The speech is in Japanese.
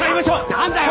何だよ！